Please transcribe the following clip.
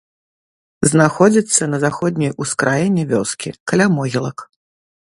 Знаходзіцца на заходняй ускраіне вёскі, каля могілак.